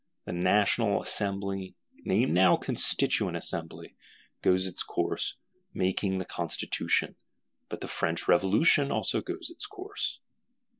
The National Assembly, named now Constituent Assembly, goes its course; making the Constitution; but the French Revolution also goes its course.